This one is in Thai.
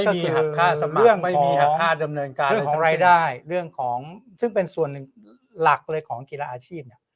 ไม่มีหักคาสมัครเรื่องของรายได้เรื่องของซึ่งเป็นส่วนหนึ่งหลักเลยของกีฬาอาชีพ